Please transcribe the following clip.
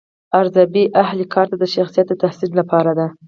ارزیابي اهل کار ته د شخصیت د تحسین لپاره ده.